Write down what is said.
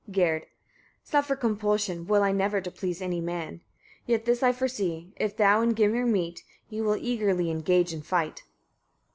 Gerd. 24. Suffer compulsion will I never, to please any man; yet this I foresee, if thou and Gymir meet, ye will eagerly engage in fight.